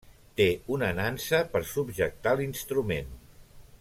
Té una nansa per subjectar l'instrument.